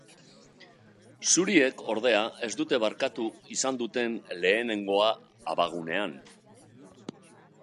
Zuriek, ordea, ez dute barkatu izan duten lehenengoa abagunean.